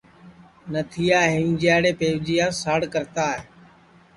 نتھیا ہیمجیاڑے پیوجیاس ساڑ کرتا ہے